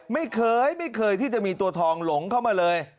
ไม่เคยไม่เคยที่จะมีตัวทองหลงเข้ามาเลย